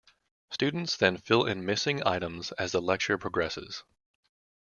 Students then fill in missing items as the lecture progresses.